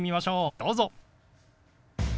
どうぞ。